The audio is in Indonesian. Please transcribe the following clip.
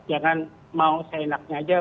jangan mau seenaknya aja